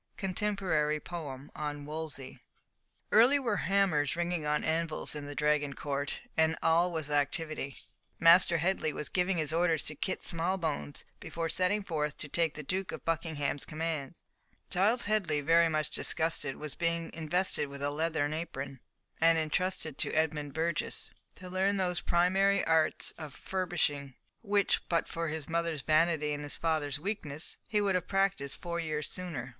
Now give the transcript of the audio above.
Contemporary Poem on Wolsey. Early were hammers ringing on anvils in the Dragon Court, and all was activity. Master Headley was giving his orders to Kit Smallbones before setting forth to take the Duke of Buckingham's commands; Giles Headley, very much disgusted, was being invested with a leathern apron, and entrusted to Edmund Burgess to learn those primary arts of furbishing which, but for his mother's vanity and his father's weakness, he would have practised four years sooner.